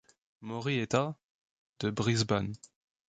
Moree est à de Brisbane.